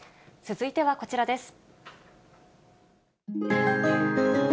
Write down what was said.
続いてはこちらです。